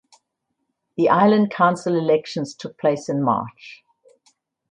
The island council elections took place in March.